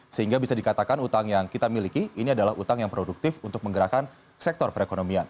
sehingga bisa dikatakan utang yang kita miliki ini adalah utang yang produktif untuk menggerakkan sektor perekonomian